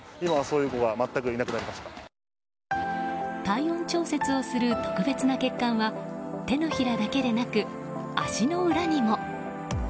体温調節をする特別な血管は手のひらだけでなく、足の裏にも。